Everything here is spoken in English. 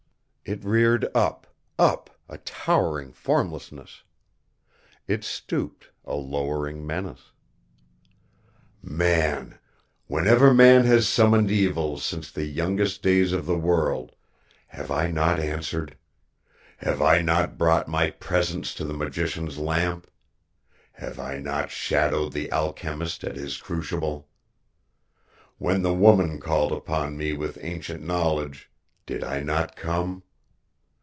It reared up, up, a towering formlessness. It stooped, a lowering menace. "Man, whenever man has summoned Evil since the youngest days of the world have I not answered? Have I not brought my presence to the magician's lamp? Have I not shadowed the alchemist at his crucible? When the woman called upon me with ancient knowledge, did I not come.